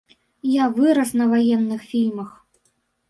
Я вырас на ваенных фільмах.